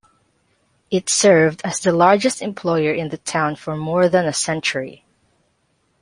It served as the largest employer in the town for more than a century.